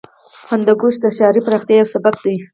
هندوکش د ښاري پراختیا یو سبب دی.